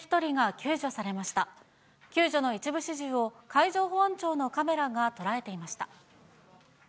救助の一部始終を海上保安庁のカメラが捉えていました。